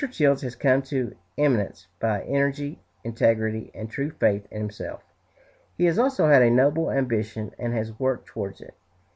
Childs has come to eminence by energy, integrity, and true faith in himself. He has had a noble ambition, and has worked towards it.